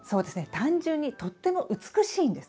単純にとっても美しいんです。